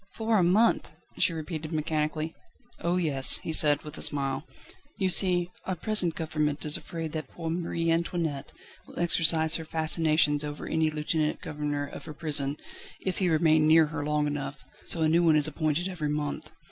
"For a month!" she repeated mechanically. "Oh yes!" he said, with a smile. "You see, our present Government is afraid that poor Marie Antoinette will exercise her fascinations over any lieutenant governor of her prison, if he remain near her long enough, so a new one is appointed every month.